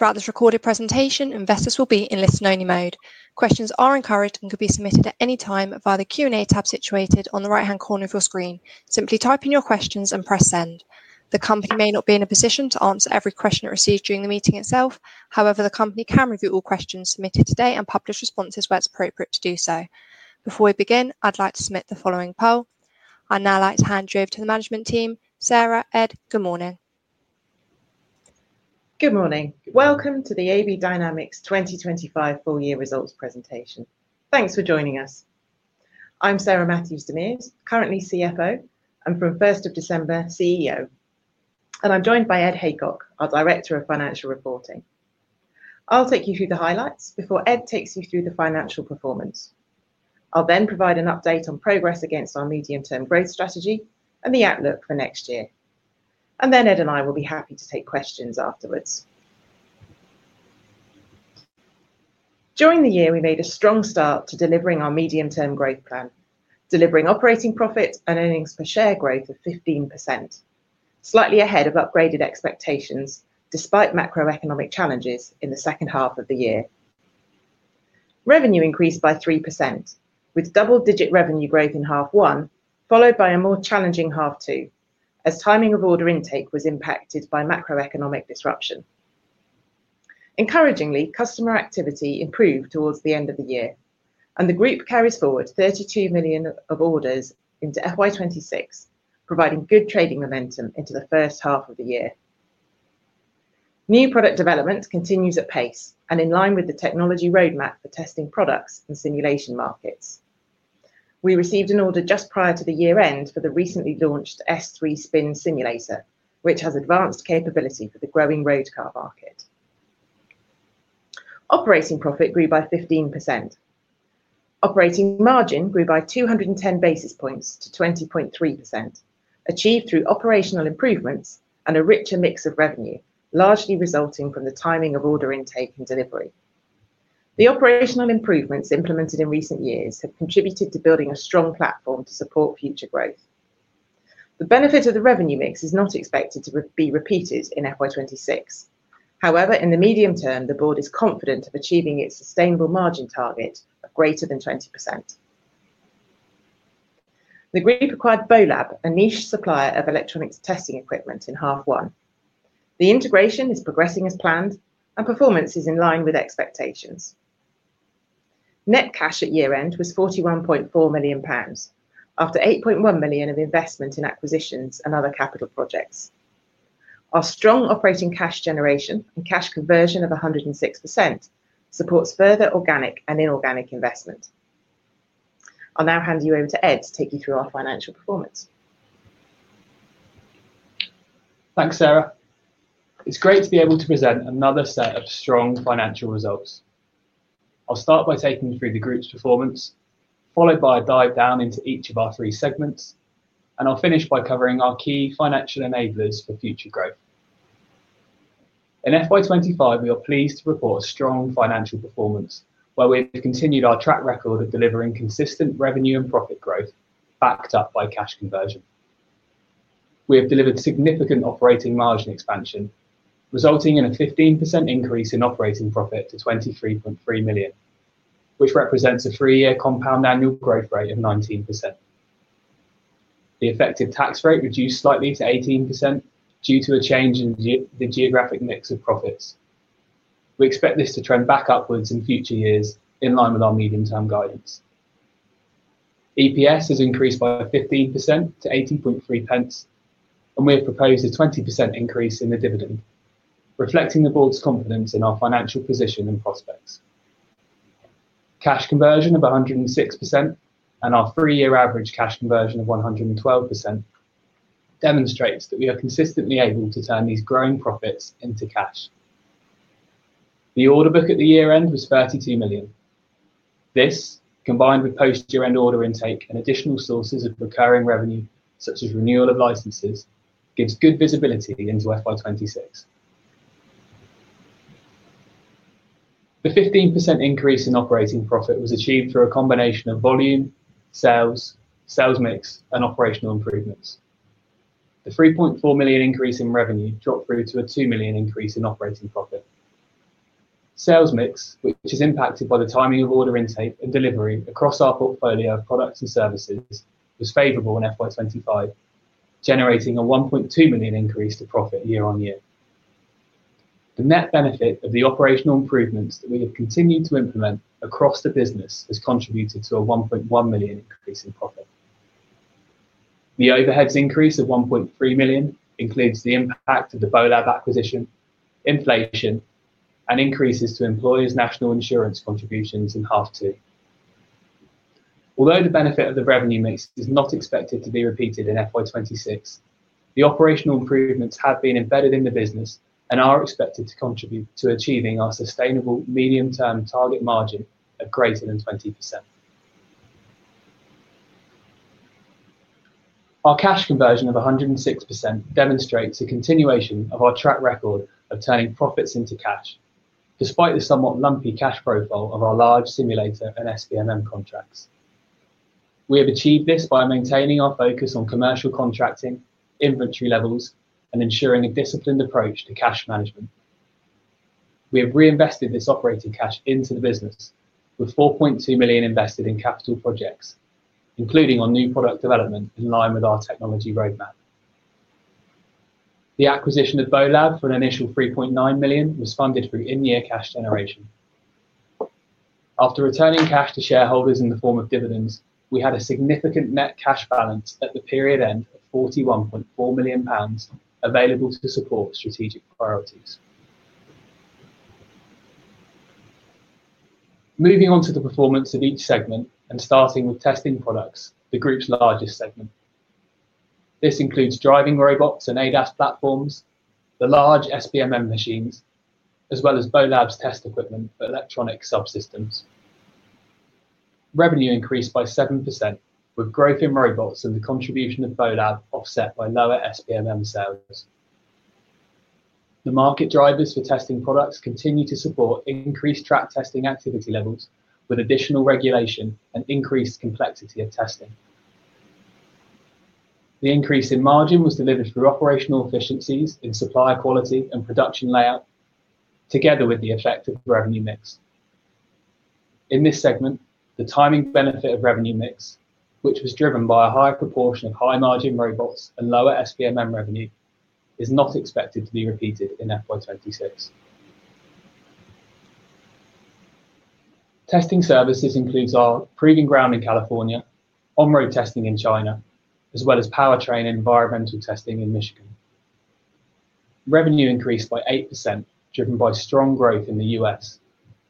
Throughout this recorded presentation, investors will be in listen-only mode. Questions are encouraged and can be submitted at any time via the Q&A tab situated on the right-hand corner of your screen. Simply type in your questions and press send. The company may not be in a position to answer every question it receives during the meeting itself. However, the company can review all questions submitted today and publish responses where it's appropriate to do so. Before we begin, I'd like to submit the following poll. I'd now like to hand you over to the management team. Sarah, Ed, good morning. Good morning. Welcome to the AB Dynamics 2025 full-year results presentation. Thanks for joining us. I'm Sarah Matthews-DeMers, currently CFO and from 1st of December, CEO. I'm joined by Ed Haycock, our Director of Financial Reporting. I'll take you through the highlights before Ed takes you through the financial performance. I'll then provide an update on progress against our medium-term growth strategy and the outlook for next year. Ed and I will be happy to take questions afterwards. During the year, we made a strong start to delivering our medium-term growth plan, delivering operating profit and earnings per share growth of 15%, slightly ahead of upgraded expectations despite macroeconomic challenges in the second half of the year. Revenue increased by 3%, with double-digit revenue growth in half one, followed by a more challenging half two as timing of order intake was impacted by macroeconomic disruption. Encouragingly, customer activity improved towards the end of the year, and the group carries forward 32 million of orders into FY 2026, providing good trading momentum into the first half of the year. New product development continues at pace and in line with the technology roadmap for testing products and simulation markets. We received an order just prior to the year-end for the recently launched S3 Spin Simulator, which has advanced capability for the growing road car market. Operating profit grew by 15%. Operating margin grew by 210 basis points to 20.3%, achieved through operational improvements and a richer mix of revenue, largely resulting from the timing of order intake and delivery. The operational improvements implemented in recent years have contributed to building a strong platform to support future growth. The benefit of the revenue mix is not expected to be repeated in FY 2026. However, in the medium term, the board is confident of achieving its sustainable margin target of greater than 20%. The group acquired BOLAB, a niche supplier of electronics testing equipment, in half one. The integration is progressing as planned, and performance is in line with expectations. Net cash at year-end was 41.4 million pounds after 8.1 million of investment in acquisitions and other capital projects. Our strong operating cash generation and cash conversion of 106% supports further organic and inorganic investment. I'll now hand you over to Ed to take you through our financial performance. Thanks, Sarah. It's great to be able to present another set of strong financial results. I'll start by taking you through the group's performance, followed by a dive down into each of our three segments, and I'll finish by covering our key financial enablers for future growth. In FY2025, we are pleased to report a strong financial performance, where we have continued our track record of delivering consistent revenue and profit growth backed up by cash conversion. We have delivered significant operating margin expansion, resulting in a 15% increase in operating profit to 23.3 million, which represents a three-year compound annual growth rate of 19%. The effective tax rate reduced slightly to 18% due to a change in the geographic mix of profits. We expect this to trend back upwards in future years in line with our medium-term guidance. EPS has increased by 15% to 0.803, and we have proposed a 20% increase in the dividend, reflecting the board's confidence in our financial position and prospects. Cash conversion of 106% and our three-year average cash conversion of 112% demonstrates that we are consistently able to turn these growing profits into cash. The order book at the year-end was 32 million. This, combined with post-year-end order intake and additional sources of recurring revenue, such as renewal of licenses, gives good visibility into FY2026. The 15% increase in operating profit was achieved through a combination of volume, sales, sales mix, and operational improvements. The 3.4 million increase in revenue dropped through to a 2 million increase in operating profit. Sales mix, which is impacted by the timing of order intake and delivery across our portfolio of products and services, was favorable in FY2025, generating a 1.2 million increase to profit year on year. The net benefit of the operational improvements that we have continued to implement across the business has contributed to a 1.1 million increase in profit. The overhead's increase of 1.3 million includes the impact of the BoLab acquisition, inflation, and increases to employers' National Insurance contributions in half two. Although the benefit of the revenue mix is not expected to be repeated in FY2026, the operational improvements have been embedded in the business and are expected to contribute to achieving our sustainable medium-term target margin of greater than 20%. Our cash conversion of 106% demonstrates a continuation of our track record of turning profits into cash, despite the somewhat lumpy cash profile of our large simulator and SBMM contracts. We have achieved this by maintaining our focus on commercial contracting, inventory levels, and ensuring a disciplined approach to cash management. We have reinvested this operating cash into the business, with 4.2 million invested in capital projects, including on new product development in line with our technology roadmap. The acquisition of BOLAB for an initial 3.9 million was funded through in-year cash generation. After returning cash to shareholders in the form of dividends, we had a significant net cash balance at the period end of 41.4 million pounds available to support strategic priorities. Moving on to the performance of each segment and starting with testing products, the group's largest segment. This includes driving robots and ADAS platforms, the large SBMM machines, as well as BoLab's test equipment for electronic subsystems. Revenue increased by 7%, with growth in robots and the contribution of BoLab offset by lower SBMM sales. The market drivers for testing products continue to support increased track testing activity levels with additional regulation and increased complexity of testing. The increase in margin was delivered through operational efficiencies in supply quality and production layout, together with the effective revenue mix. In this segment, the timing benefit of revenue mix, which was driven by a high proportion of high-margin robots and lower SBMM revenue, is not expected to be repeated in FY2026. Testing services include our proving ground in California, on-road testing in China, as well as powertrain environmental testing in Michigan. Revenue increased by 8%, driven by strong growth in the US,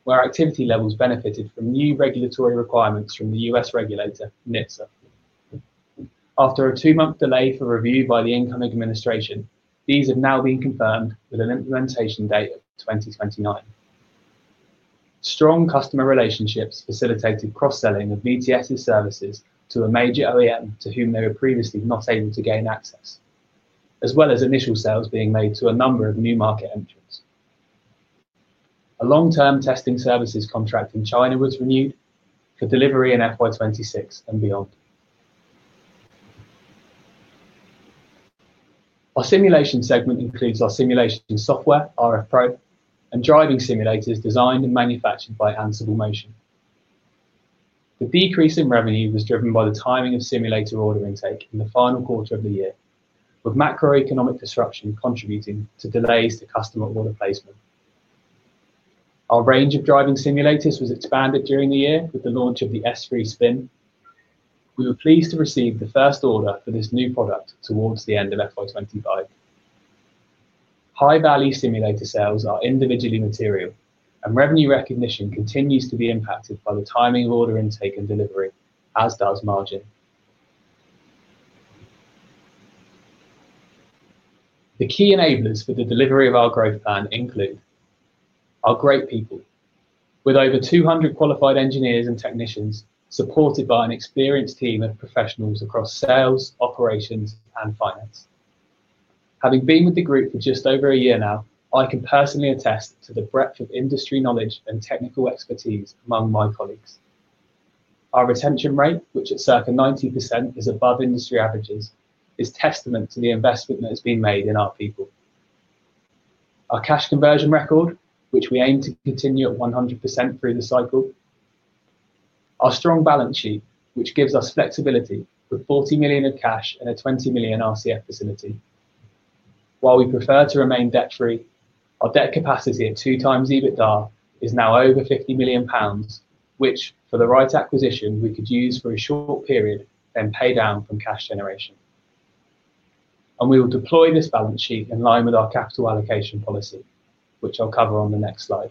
where activity levels benefited from new regulatory requirements from the US regulator, NHTSA. After a two-month delay for review by the incoming administration, these have now been confirmed with an implementation date of 2029. Strong customer relationships facilitated cross-selling of BTS's services to a major OEM to whom they were previously not able to gain access, as well as initial sales being made to a number of new market entrants. A long-term testing services contract in China was renewed for delivery in FY 2026 and beyond. Our simulation segment includes our simulation software, rFpro, and driving simulators designed and manufactured by Ansible Motion. The decrease in revenue was driven by the timing of simulator order intake in the final quarter of the year, with macroeconomic disruption contributing to delays to customer order placement. Our range of driving simulators was expanded during the year with the launch of the S3 Spin. We were pleased to receive the first order for this new product towards the end of FY2025. High-value simulator sales are individually material, and revenue recognition continues to be impacted by the timing of order intake and delivery, as does margin. The key enablers for the delivery of our growth plan include our great people, with over 200 qualified engineers and technicians supported by an experienced team of professionals across sales, operations, and finance. Having been with the group for just over a year now, I can personally attest to the breadth of industry knowledge and technical expertise among my colleagues. Our retention rate, which at circa 90% is above industry averages, is testament to the investment that has been made in our people. Our cash conversion record, which we aim to continue at 100% through the cycle. Our strong balance sheet, which gives us flexibility with 40 million of cash and a 20 million RCF facility. While we prefer to remain debt-free, our debt capacity at two times EBITDA is now over 50 million pounds, which, for the right acquisition, we could use for a short period, then pay down from cash generation. We will deploy this balance sheet in line with our capital allocation policy, which I'll cover on the next slide.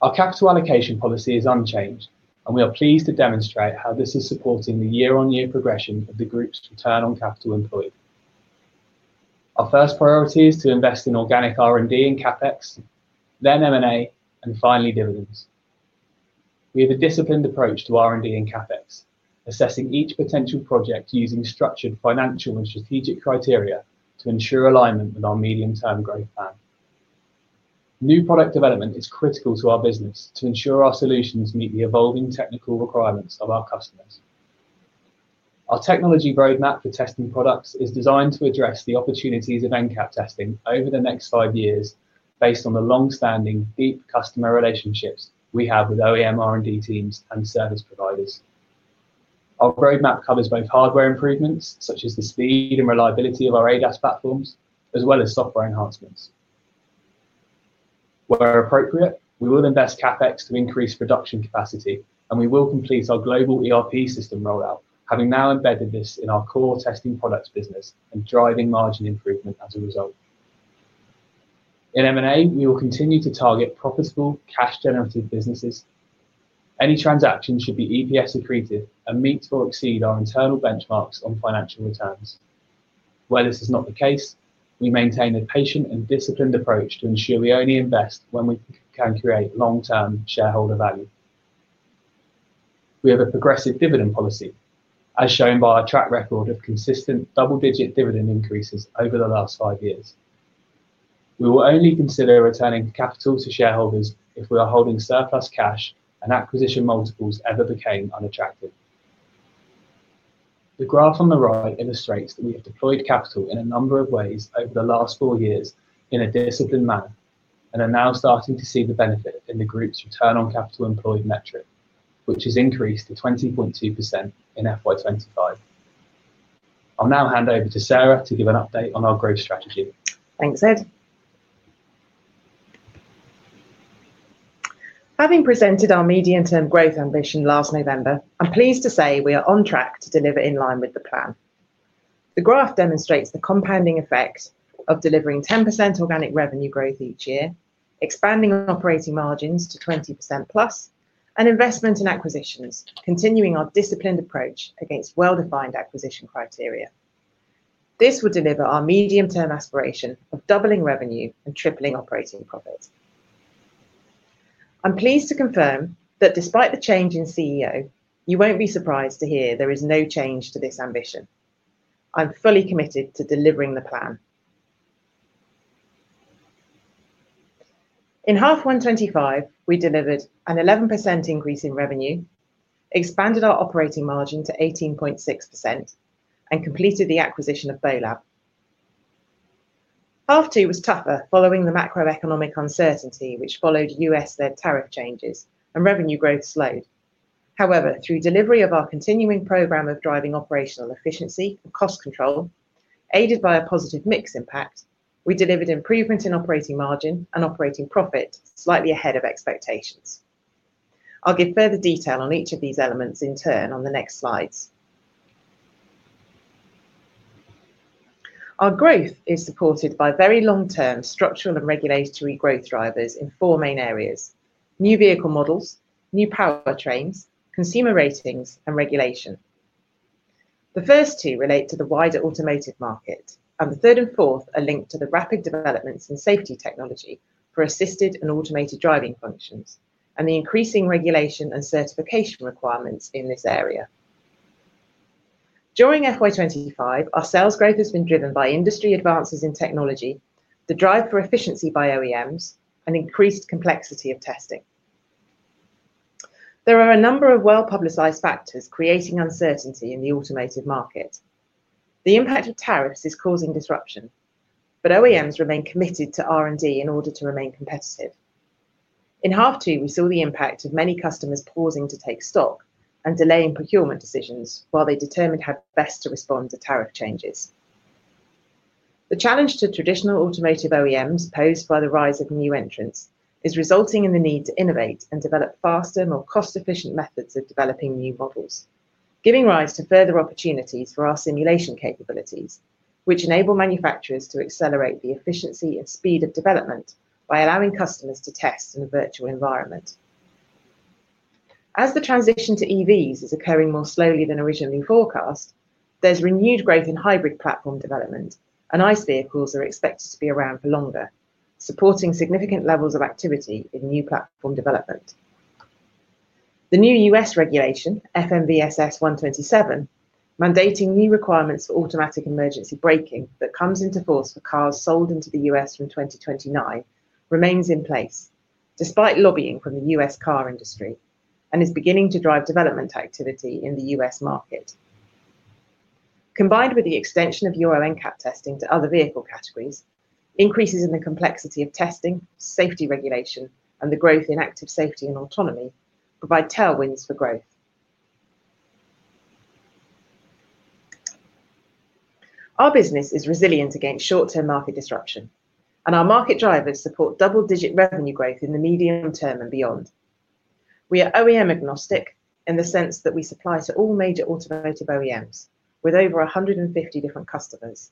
Our capital allocation policy is unchanged, and we are pleased to demonstrate how this is supporting the year-on-year progression of the group's return on capital employed. Our first priority is to invest in organic R&D and CapEx, then M&A, and finally dividends. We have a disciplined approach to R&D and CapEx, assessing each potential project using structured financial and strategic criteria to ensure alignment with our medium-term growth plan. New product development is critical to our business to ensure our solutions meet the evolving technical requirements of our customers. Our technology roadmap for testing products is designed to address the opportunities of NCAP testing over the next five years based on the long-standing deep customer relationships we have with OEM R&D teams and service providers. Our roadmap covers both hardware improvements, such as the speed and reliability of our ADAS platforms, as well as software enhancements. Where appropriate, we will invest CapEx to increase production capacity, and we will complete our global ERP system rollout, having now embedded this in our core testing products business and driving margin improvement as a result. In M&A, we will continue to target profitable cash-generative businesses. Any transaction should be EPS-accretive and meet or exceed our internal benchmarks on financial returns. Where this is not the case, we maintain a patient and disciplined approach to ensure we only invest when we can create long-term shareholder value. We have a progressive dividend policy, as shown by our track record of consistent double-digit dividend increases over the last five years. We will only consider returning capital to shareholders if we are holding surplus cash and acquisition multiples ever became unattractive. The graph on the right illustrates that we have deployed capital in a number of ways over the last four years in a disciplined manner and are now starting to see the benefit in the group's return on capital employed metric, which has increased to 20.2% in FY2025. I'll now hand over to Sarah to give an update on our growth strategy. Thanks, Ed. Having presented our medium-term growth ambition last November, I'm pleased to say we are on track to deliver in line with the plan. The graph demonstrates the compounding effect of delivering 10% organic revenue growth each year, expanding operating margins to 20% plus, and investment in acquisitions, continuing our disciplined approach against well-defined acquisition criteria. This will deliver our medium-term aspiration of doubling revenue and tripling operating profit. I'm pleased to confirm that despite the change in CEO, you won't be surprised to hear there is no change to this ambition. I'm fully committed to delivering the plan. In half 1 2025, we delivered an 11% increase in revenue, expanded our operating margin to 18.6%, and completed the acquisition of BoLab. Half two was tougher following the macroeconomic uncertainty, which followed U.S.-led tariff changes, and revenue growth slowed. However, through delivery of our continuing program of driving operational efficiency and cost control, aided by a positive mix impact, we delivered improvement in operating margin and operating profit slightly ahead of expectations. I'll give further detail on each of these elements in turn on the next slides. Our growth is supported by very long-term structural and regulatory growth drivers in four main areas, new vehicle models, new powertrains, consumer ratings, and regulation. The first two relate to the wider automotive market, and the third and fourth are linked to the rapid developments in safety technology for assisted and automated driving functions and the increasing regulation and certification requirements in this area. During FY2025, our sales growth has been driven by industry advances in technology, the drive for efficiency by OEMs, and increased complexity of testing. There are a number of well-publicized factors creating uncertainty in the automotive market. The impact of tariffs is causing disruption, but OEMs remain committed to R&D in order to remain competitive. In half two, we saw the impact of many customers pausing to take stock and delaying procurement decisions while they determined how best to respond to tariff changes. The challenge to traditional automotive OEMs posed by the rise of new entrants is resulting in the need to innovate and develop faster, more cost-efficient methods of developing new models, giving rise to further opportunities for our simulation capabilities, which enable manufacturers to accelerate the efficiency and speed of development by allowing customers to test in a virtual environment. As the transition to EVs is occurring more slowly than originally forecast, there is renewed growth in hybrid platform development, and ICE vehicles are expected to be around for longer, supporting significant levels of activity in new platform development. The new U.S. regulation, FMVSS 127, mandating new requirements for automatic emergency braking that comes into force for cars sold into the U.S. from 2029, remains in place despite lobbying from the U.S. car industry and is beginning to drive development activity in the U.S. market. Combined with the extension of Euro NCAP testing to other vehicle categories, increases in the complexity of testing, safety regulation, and the growth in active safety and autonomy provide tailwinds for growth. Our business is resilient against short-term market disruption, and our market drivers support double-digit revenue growth in the medium term and beyond. We are OEM-agnostic in the sense that we supply to all major automotive OEMs with over 150 different customers,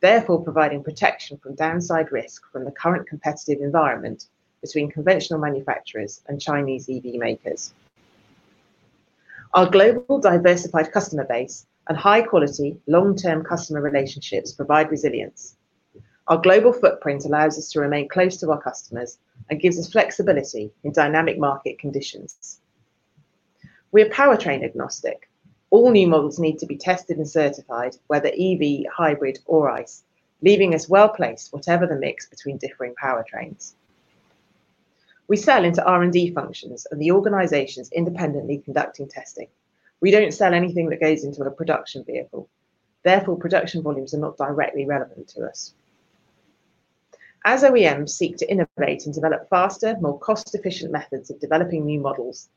therefore providing protection from downside risk from the current competitive environment between conventional manufacturers and Chinese EV makers. Our global diversified customer base and high-quality, long-term customer relationships provide resilience. Our global footprint allows us to remain close to our customers and gives us flexibility in dynamic market conditions. We are powertrain agnostic. All new models need to be tested and certified, whether EV, hybrid, or ICE, leaving us well-placed whatever the mix between differing powertrains. We sell into R&D functions and the organizations independently conducting testing. We do not sell anything that goes into a production vehicle. Therefore, production volumes are not directly relevant to us. As OEMs seek to innovate and develop faster, more cost-efficient methods of developing new models,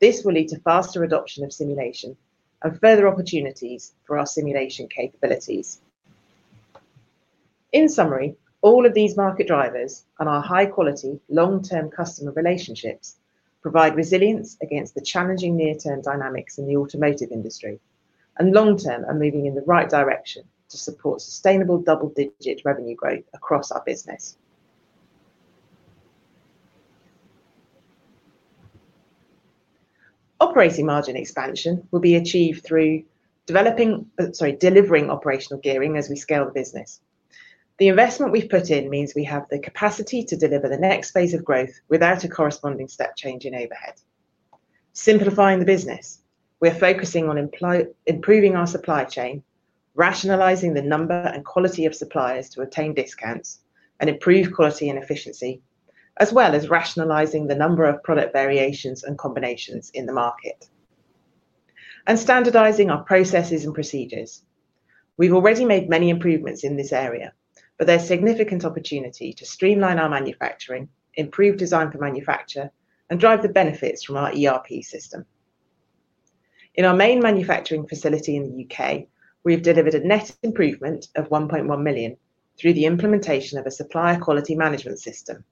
this will lead to faster adoption of simulation and further opportunities for our simulation capabilities. In summary, all of these market drivers and our high-quality, long-term customer relationships provide resilience against the challenging near-term dynamics in the automotive industry, and long-term, we are moving in the right direction to support sustainable double-digit revenue growth across our business. Operating margin expansion will be achieved through delivering operational gearing as we scale the business. The investment we've put in means we have the capacity to deliver the next phase of growth without a corresponding step change in overhead. Simplifying the business, we are focusing on improving our supply chain, rationalizing the number and quality of suppliers to obtain discounts and improve quality and efficiency, as well as rationalizing the number of product variations and combinations in the market, and standardizing our processes and procedures. We've already made many improvements in this area, but there's significant opportunity to streamline our manufacturing, improve design for manufacture, and drive the benefits from our ERP system. In our main manufacturing facility in the U.K., we have delivered a net improvement of 1.1 million through the implementation of a supplier quality management system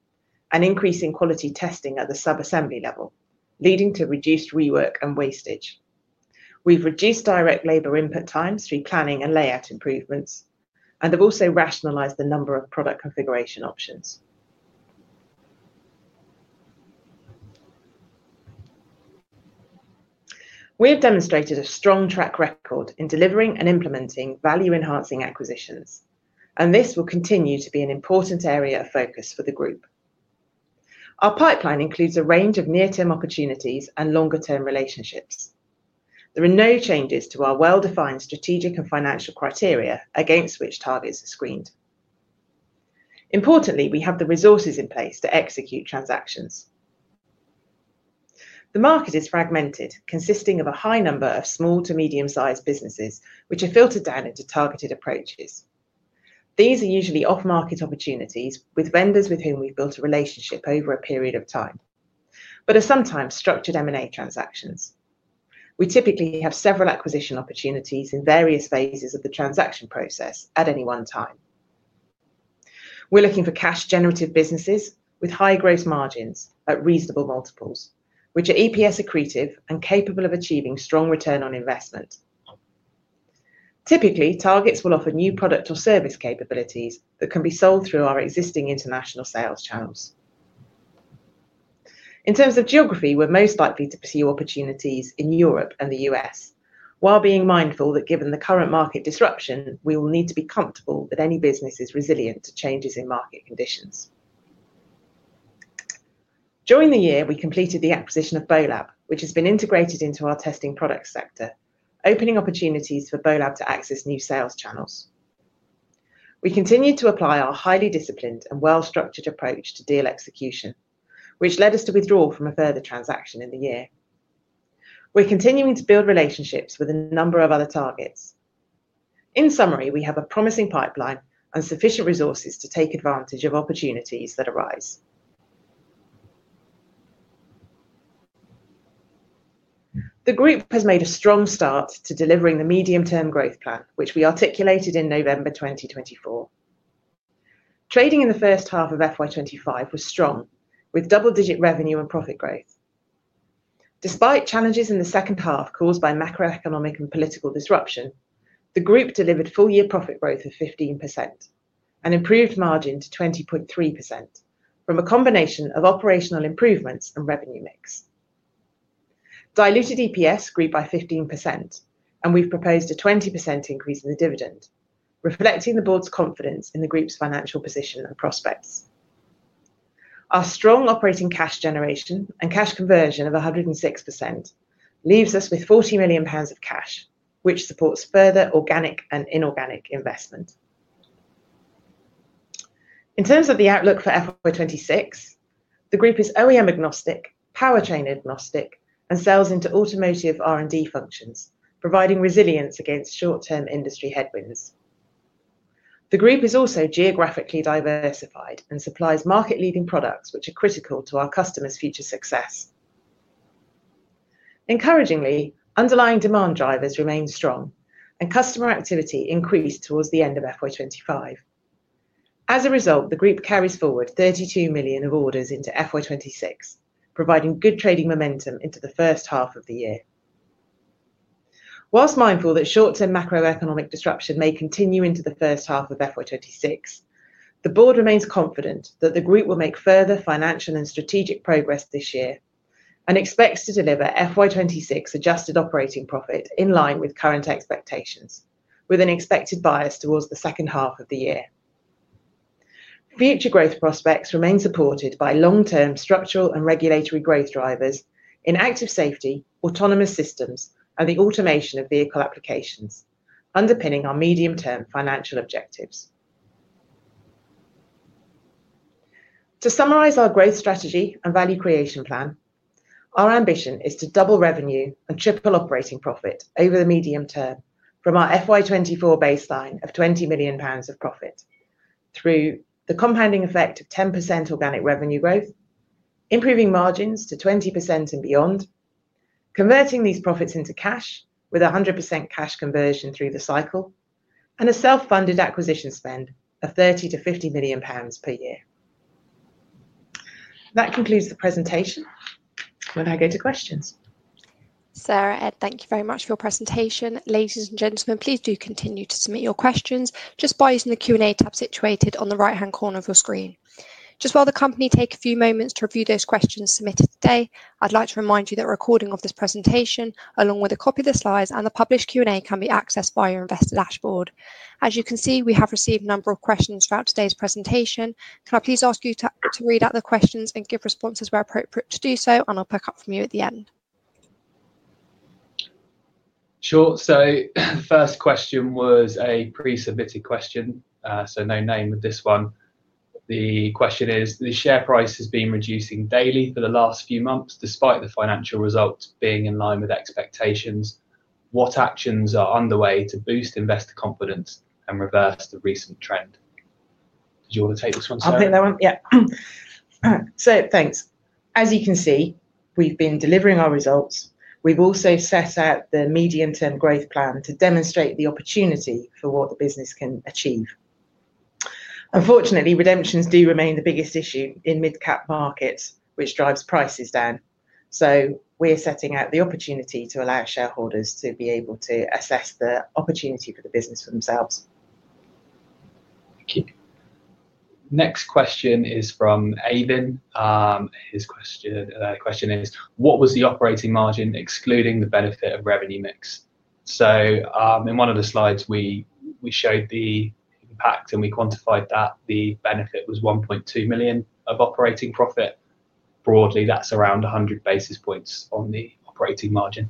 and increasing quality testing at the sub-assembly level, leading to reduced rework and wastage. We've reduced direct labor input times through planning and layout improvements, and have also rationalized the number of product configuration options. We have demonstrated a strong track record in delivering and implementing value-enhancing acquisitions, and this will continue to be an important area of focus for the group. Our pipeline includes a range of near-term opportunities and longer-term relationships. There are no changes to our well-defined strategic and financial criteria against which targets are screened. Importantly, we have the resources in place to execute transactions. The market is fragmented, consisting of a high number of small to medium-sized businesses, which are filtered down into targeted approaches. These are usually off-market opportunities with vendors with whom we've built a relationship over a period of time, but are sometimes structured M&A transactions. We typically have several acquisition opportunities in various phases of the transaction process at any one time. We're looking for cash-generative businesses with high gross margins at reasonable multiples, which are EPS-accretive and capable of achieving strong return on investment. Typically, targets will offer new product or service capabilities that can be sold through our existing international sales channels. In terms of geography, we're most likely to pursue opportunities in Europe and the U.S., while being mindful that given the current market disruption, we will need to be comfortable that any business is resilient to changes in market conditions. During the year, we completed the acquisition of BoLab, which has been integrated into our testing product sector, opening opportunities for BoLab to access new sales channels. We continued to apply our highly disciplined and well-structured approach to deal execution, which led us to withdraw from a further transaction in the year. We are continuing to build relationships with a number of other targets. In summary, we have a promising pipeline and sufficient resources to take advantage of opportunities that arise. The group has made a strong start to delivering the medium-term growth plan, which we articulated in November 2024. Trading in the first half of FY25 was strong, with double-digit revenue and profit growth. Despite challenges in the second half caused by macroeconomic and political disruption, the group delivered full-year profit growth of 15% and improved margin to 20.3% from a combination of operational improvements and revenue mix. Diluted EPS grew by 15%, and we have proposed a 20% increase in the dividend, reflecting the board's confidence in the group's financial position and prospects. Our strong operating cash generation and cash conversion of 106% leaves us with 40 million pounds of cash, which supports further organic and inorganic investment. In terms of the outlook for FY 2026, the group is OEM-agnostic, powertrain-agnostic, and sells into automotive R&D functions, providing resilience against short-term industry headwinds. The group is also geographically diversified and supplies market-leading products, which are critical to our customers' future success. Encouragingly, underlying demand drivers remain strong, and customer activity increased towards the end of FY 2025. As a result, the group carries forward 32 million of orders into FY 2026, providing good trading momentum into the first half of the year. Whilst mindful that short-term macroeconomic disruption may continue into the first half of FY2026, the board remains confident that the group will make further financial and strategic progress this year and expects to deliver FY2026 adjusted operating profit in line with current expectations, with an expected bias towards the second half of the year. Future growth prospects remain supported by long-term structural and regulatory growth drivers in active safety, autonomous systems, and the automation of vehicle applications, underpinning our medium-term financial objectives. To summarize our growth strategy and value creation plan, our ambition is to double revenue and triple operating profit over the medium term from our FY2024 baseline of 20 million pounds of profit through the compounding effect of 10% organic revenue growth, improving margins to 20% and beyond, converting these profits into cash with 100% cash conversion through the cycle, and a self-funded acquisition spend of 30-50 million pounds per year. That concludes the presentation. May I go to questions? Sarah, Ed, thank you very much for your presentation. Ladies and gentlemen, please do continue to submit your questions just by using the Q&A tab situated on the right-hand corner of your screen. Just while the company takes a few moments to review those questions submitted today, I'd like to remind you that a recording of this presentation, along with a copy of the slides and the published Q&A, can be accessed via your Investor Dashboard. As you can see, we have received a number of questions throughout today's presentation. Can I please ask you to read out the questions and give responses where appropriate to do so, and I'll pick up from you at the end? Sure. The first question was a pre-submitted question, so no name with this one. The question is, "The share price has been reducing daily for the last few months despite the financial results being in line with expectations. What actions are underway to boost investor confidence and reverse the recent trend?" Did you want to take this one, Sarah? I'll take that one. Yeah. Thanks. As you can see, we've been delivering our results. We've also set out the medium-term growth plan to demonstrate the opportunity for what the business can achieve. Unfortunately, redemptions do remain the biggest issue in mid-cap markets, which drives prices down. We're setting out the opportunity to allow shareholders to be able to assess the opportunity for the business for themselves. Thank you. Next question is from Ayden. His question is, "What was the operating margin excluding the benefit of revenue mix?" In one of the slides, we showed the impact, and we quantified that the benefit was 1.2 million of operating profit. Broadly, that's around 100 basis points on the operating margin.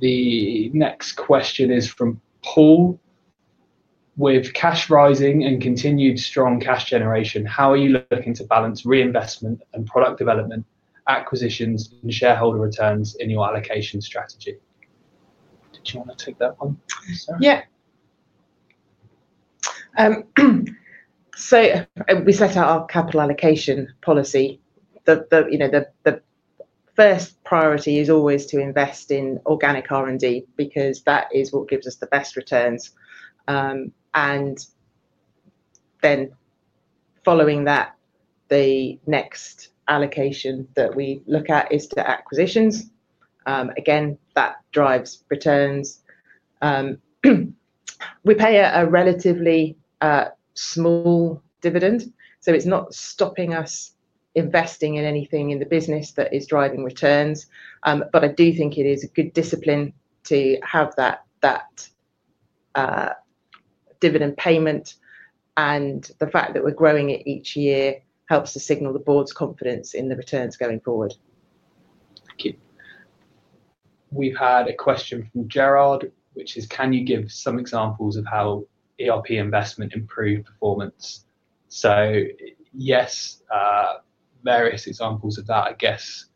The next question is from Paul. With cash rising and continued strong cash generation, how are you looking to balance reinvestment and product development, acquisitions, and shareholder returns in your allocation strategy?" Did you want to take that one, Sarah? Yeah. We set out our capital allocation policy. The first priority is always to invest in organic R&D because that is what gives us the best returns. Following that, the next allocation that we look at is to acquisitions. Again, that drives returns. We pay a relatively small dividend, so it is not stopping us investing in anything in the business that is driving returns. I do think it is a good discipline to have that dividend payment, and the fact that we are growing it each year helps to signal the board's confidence in the returns going forward. Thank you. We've had a question from Gerald, which is, "Can you give some examples of how ERP investment improved performance?" Yes, various examples of that. I guess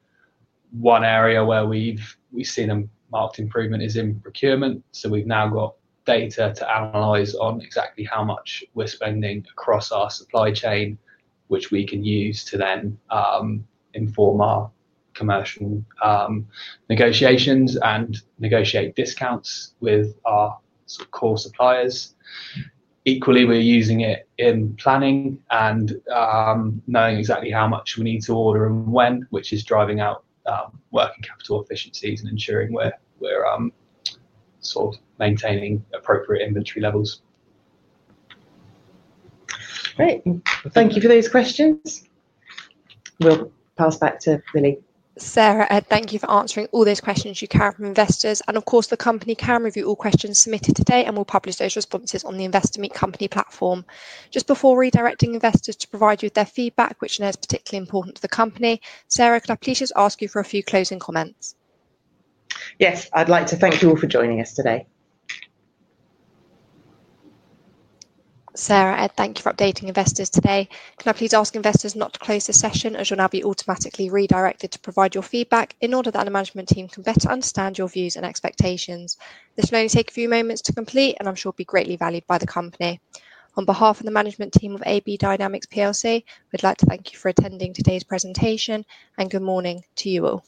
one area where we've seen a marked improvement is in procurement. We've now got data to analyze on exactly how much we're spending across our supply chain, which we can use to inform our commercial negotiations and negotiate discounts with our core suppliers. Equally, we're using it in planning and knowing exactly how much we need to order and when, which is driving out working capital efficiencies and ensuring we're maintaining appropriate inventory levels. Great. Thank you for those questions. We'll pass back to Lily. Sarah, Ed, thank you for answering all those questions you carry from investors. Of course, the company can review all questions submitted today, and we'll publish those responses on the Investor Meet Company platform. Just before redirecting investors to provide you with their feedback, which I know is particularly important to the company, Sarah, could I please just ask you for a few closing comments? Yes. I'd like to thank you all for joining us today. Sarah, Ed, thank you for updating investors today. Can I please ask investors not to close the session, as you'll now be automatically redirected to provide your feedback in order that the management team can better understand your views and expectations? This will only take a few moments to complete, and I'm sure it'll be greatly valued by the company. On behalf of the management team of AB Dynamics, we'd like to thank you for attending today's presentation, and good morning to you all.